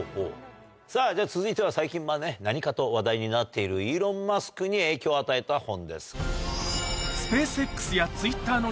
さぁじゃあ続いては最近まぁね何かと話題になっているイーロン・マスクに影響を与えた本です。